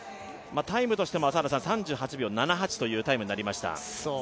タイムとしても３８秒７８というタイムになりました。